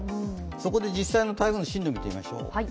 そこで実際の台風の進路、見てみましょう。